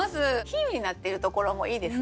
比喩になってるところもいいですね。